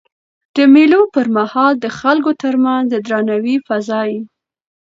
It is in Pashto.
د مېلو پر مهال د خلکو ترمنځ د درناوي فضا يي.